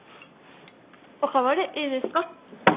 お代わりいいですか？